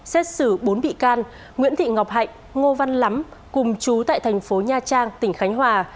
xét xử bốn bị can nguyễn thị ngọc hạnh ngô văn lắm cùng chú tại thành phố nha trang tỉnh khánh hòa